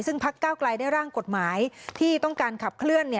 ซึ่งพักเก้าไกลได้ร่างกฎหมายที่ต้องการขับเคลื่อน